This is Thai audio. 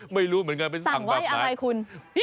ไม่รู้เหมือนกันไปสั่งแบบไหน